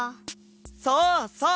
そうそう！